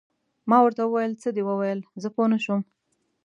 ما ورته وویل: څه دې وویل؟ زه پوه نه شوم.